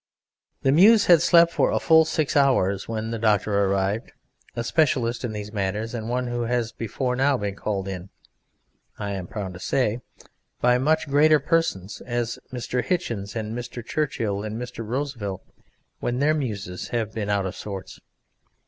The Muse had slept for a full six hours when the doctor arrived a specialist in these matters and one who has before now been called in (I am proud to say) by such great persons as Mr. Hichens, Mr. Churchill, and Mr. Roosevelt when their Muses have been out of sorts.